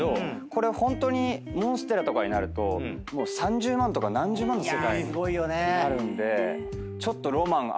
これホントにモンステラとかになると３０万とか何十万の世界になるんで。